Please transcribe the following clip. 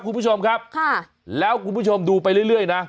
คุณผู้ชมครับค่ะแล้วคุณผู้ชมดูไปเรื่อยนะ